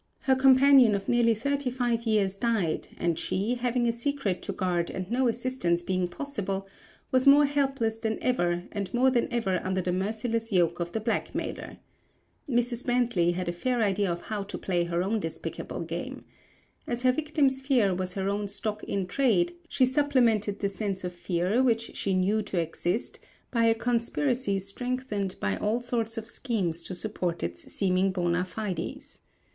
Her companion of nearly thirty five years died and she, having a secret to guard and no assistance being possible, was more helpless than ever and more than ever under the merciless yoke of the blackmailer. Mrs. Bently had a fair idea of how to play her own despicable game. As her victim's fear was her own stock in trade she supplemented the sense of fear which she knew to exist by a conspiracy strengthened by all sorts of schemes to support its seeming bona fides.